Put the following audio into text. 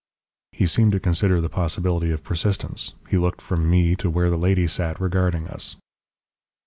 "He seemed to consider the possibility of persistence. He looked from me to where the lady sat regarding us.